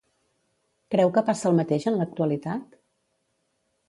Creu que passa el mateix en l'actualitat?